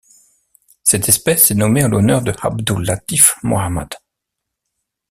Cette espèce est nommée en l'honneur de Abdul Latiff Mohamad.